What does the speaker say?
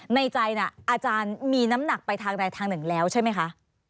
ในใจน่ะอาจารย์มีน้ำหนักไปทางใดทางหนึ่งแล้วใช่ไหมคะ